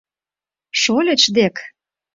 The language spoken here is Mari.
— Шольыч дек?